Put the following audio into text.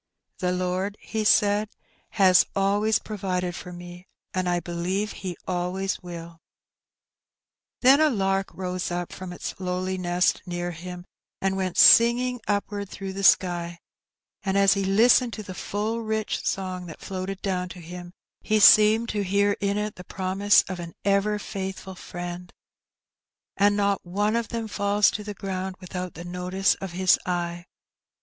" The Lord," he said, '^ has always provided for me ; I believe He always will/' Then a lark rose up from its lowly nest near him, and went singing upward through the sky, and as he listened to the full rich song that floated down to him, he seemed to hear in it the promise of an ever faithful Friend — "And not one of them falls to the ground without the notice of His eye.